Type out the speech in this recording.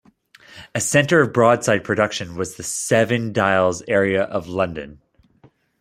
A centre of broadside production was the Seven Dials area of London.